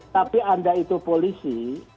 tapi anda itu polisi